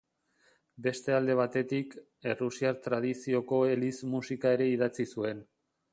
Beste alde batetik, errusiar tradizioko eliz musika ere idatzi zuen.